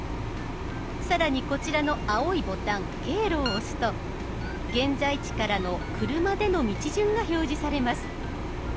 更にこちらの青いボタン「経路」を押すと現在地からの車での道順が表示されます。